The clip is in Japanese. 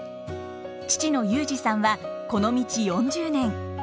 父の祐自さんはこの道４０年。